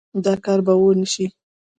دا کار به ونشي